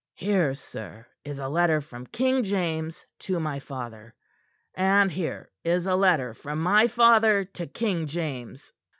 "Here, sir, is a letter from King James to my father, and here is a letter from my father to King James.